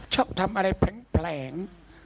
ชอบทำอะไรแผลง